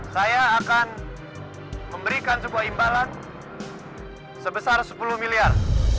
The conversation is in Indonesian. saya akan memberikan sebuah imbalan sebesar sepuluh miliar